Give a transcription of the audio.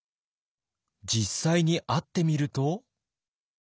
実際に会ってみると。